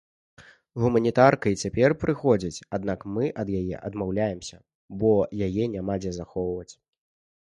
Гуманітарка і цяпер прыходзіць, аднак мы ад яе адмаўляемся, бо яе няма дзе захоўваць.